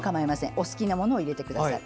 お好きなものを入れてください。